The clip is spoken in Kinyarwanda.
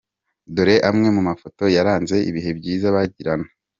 Dore amwe mu mafoto yaranze ibihe byiza bagirana.